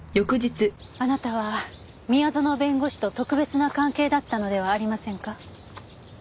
あなたは宮園弁護士と特別な関係だったのではありませんか？